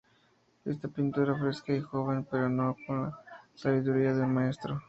Es una pintura fresca y joven, pero con la sabiduría de un maestro".